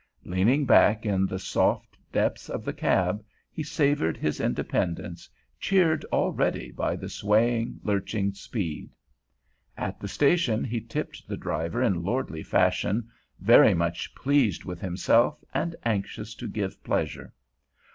Leaning back in the soft depths of the cab, he savored his independence, cheered already by the swaying, lurching speed. At the station he tipped the driver in lordly fashion, very much pleased with himself and anxious to give pleasure.